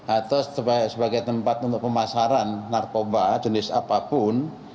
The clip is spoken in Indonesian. atau sebagai tempat untuk pemasaran narkoba jenis apapun